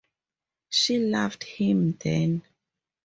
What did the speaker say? She loved him then.